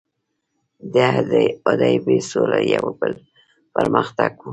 د حدیبې سوله یو بل پر مختګ وو.